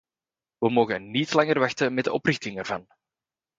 We mogen niet langer wachten met oprichting ervan.